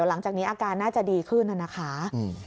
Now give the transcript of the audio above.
หลังจากนี้อาการน่าจะดีขึ้นนะคะ